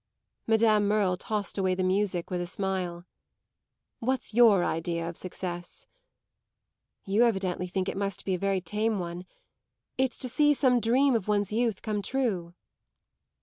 Madame Merle tossed away the music with a smile. "What's your idea of success?" "You evidently think it must be a very tame one. It's to see some dream of one's youth come true."